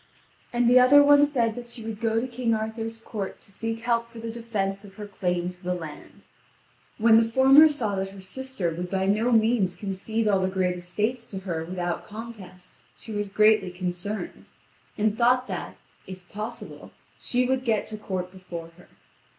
And the other one said that she would go to King Arthur's court to seek help for the defence of her claim to the land. When the former saw that her sister would by no means concede all the estates to her without contest, she was greatly concerned, and thought that, if possible, she would get to court before her.